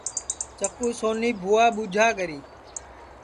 چکُو سونی بُھوا ٻوجھا کری